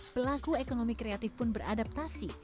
pelaku ekonomi kreatif pun beradaptasi